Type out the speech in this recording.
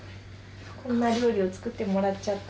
こんな料理を作ってもらっちゃった。